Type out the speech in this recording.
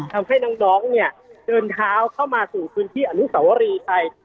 ทำให้น้องเนี่ยเดินเท้าเข้ามาสู่พื้นที่อนุสาวรีไทย